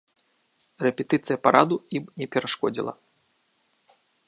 Рэпетыцыя параду ім не перашкодзіла.